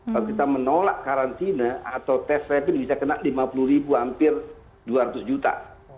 kalau kita menolak karantina atau tes rapid bisa kena lima puluh ribu hampir dua ratus juta